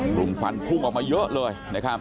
กลุ่มควันพุ่งออกมาเยอะเลยนะครับ